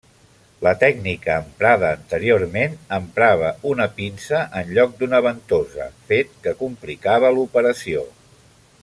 La tècnica emprada anteriorment emprava una pinça en lloc d'una ventosa fet que complicava l'operació.